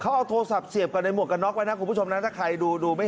เขาเอาโทรศัพท์เศียบกับใอย่างหมวกกันน็อกไว้นะครูผู้ชมถ้าใครดูดู